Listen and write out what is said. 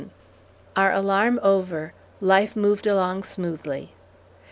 STEVENSON] Our alarm over, life moved along smoothly.